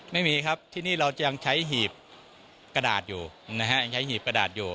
ไม่มีครับที่นี่เราจะยังใช้หีบกระดาษอยู่